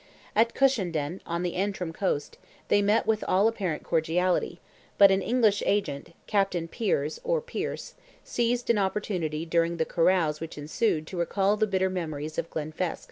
At Cushendun, on the Antrim coast, they met with all apparent cordiality, but an English agent, Captain Piers, or Pierce, seized an opportunity during the carouse which ensued to recall the bitter memories of Glenfesk.